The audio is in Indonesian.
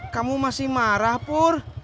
kamu masih marah pur